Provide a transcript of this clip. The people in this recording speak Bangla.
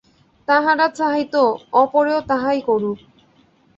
তাহারা চাহিত, অপরেও তাহাই করুক।